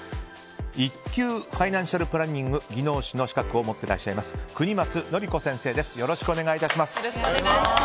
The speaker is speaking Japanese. １級ファイナンシャル・プランニング技能士の資格を持っていらっしゃいます國松典子先生です。